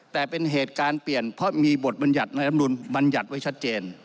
แต่เป็นเหตุการณ์เปลี่ยนเพราะมีบทบรรยัติในรำนุนบรรยัติไว้ชัดเจน